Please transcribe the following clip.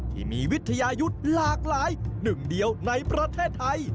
ที่มีวิทยายุทธ์หลากหลายหนึ่งเดียวในประเทศไทย